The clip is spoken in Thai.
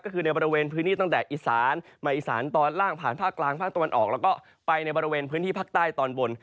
ก็คือในบริเวณพื้นที่ตั้งแต่อีสานมาอีสานตอนล่างผ่านภาคกลางภาคตะวันออกแล้วก็ไปในบริเวณพื้นที่ภาคใต้ตอนบน